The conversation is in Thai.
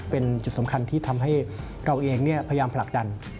เป็นจุดสำคัญที่ทำให้เราเองพยายามผลักดัน